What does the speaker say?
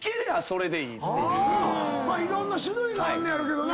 いろんな種類あんねやろけどな。